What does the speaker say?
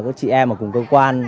các chị em ở cùng cơ quan